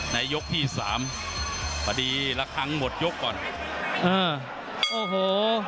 ยกที่สามพอดีละครั้งหมดยกก่อนเออโอ้โห